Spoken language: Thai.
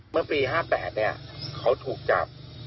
เมื่อปี๕๘เขาถูกจับ